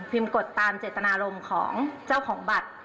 กดตามเจตนารมณ์ของเจ้าของบัตร